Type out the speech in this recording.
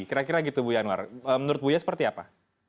kira kira gitu bu yanwar menurut bu ya seperti apa